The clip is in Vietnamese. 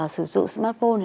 sử dụng smartphone